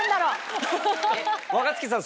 若槻さん